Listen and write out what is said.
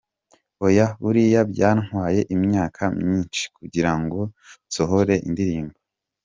Oya! Buriya byantwaye imyaka myinshi kugira ngo nsohore indirimbo.